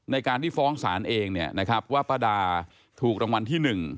ในการที่ฟ้องศาลเองนะครับว่าประดาษาถูกรางวัลที่หนึ่ง